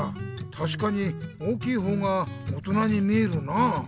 たしかに大きい方が大人に見えるな。